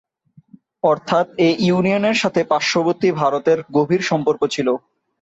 অর্থাৎ এ ইউনিয়নের সাথে পার্শ্ববর্তী ভারতের গভীর সম্পর্ক ছিল।